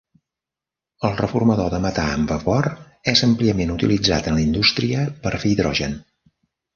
El reformador de metà amb vapor és àmpliament utilitzat en la indústria per fer hidrogen.